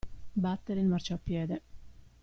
Battere il marciapiede.